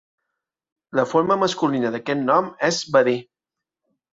La forma masculina d'aquest nom és Badí.